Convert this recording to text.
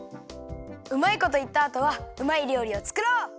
うまいこといったあとはうまいりょうりをつくろう！